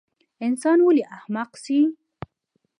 انسان ولۍ احمق سي؟